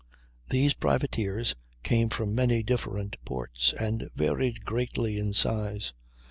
These privateers came from many different ports and varied greatly in size.